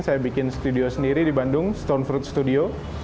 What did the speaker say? saya bikin studio sendiri di bandung stone fruit studio